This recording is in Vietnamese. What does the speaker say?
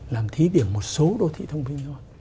làm thí điểm một số đô thị thông minh thôi